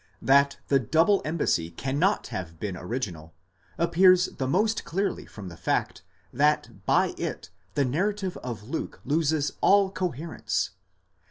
That the double embassy can not have been original, appears the most clearly from the fact, that by it the narrative of Luke loses all coherence.